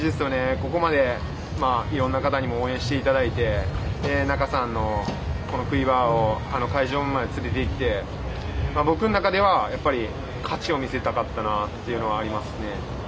ここまでいろんな方に応援していただいて仲さんのクイバーを会場まで連れていって僕の中では、やっぱり勝ちを見せたかったなというのはありますね。